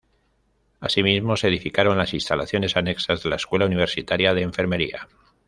Asimismo se edificaron las instalaciones anexas de la Escuela Universitaria de Enfermería.